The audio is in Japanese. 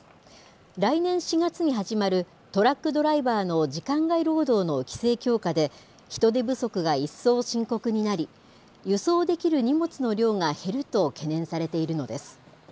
来年４月に始まる、トラックドライバーの時間外労働の規制強化で、人手不足が一層深刻になり、輸送できる荷物の量が減ると懸念されているのです。